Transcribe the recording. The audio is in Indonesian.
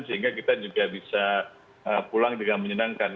sehingga kita juga bisa pulang dengan menyenangkan